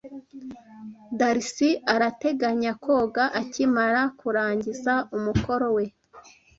Darcy arateganya koga akimara kurangiza umukoro we.